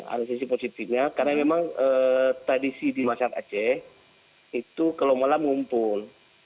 ada sisi positifnya karena memang tradisi di masyarakat aceh itu kalau malam ngumpul